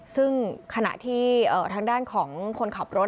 ซึ่งขณะที่ทางด้านของคนขับรถ